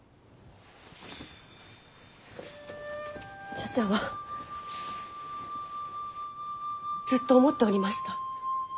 茶々はずっと思っておりました。